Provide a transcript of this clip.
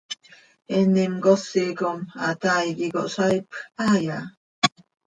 ¿Eenim cosi com hataai quih consaaipj haaya?